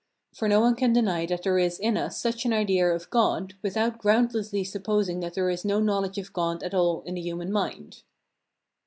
For no one can deny that there is in us such an idea of God, without groundlessly supposing that there is no knowledge of God at all in the human mind.